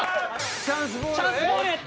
チャンスボールええっ！？